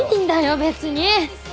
別に！